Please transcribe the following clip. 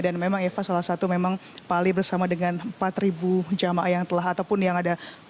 dan memang eva salah satu memang pak ali bersama dengan empat jama'a yang telah ataupun yang ada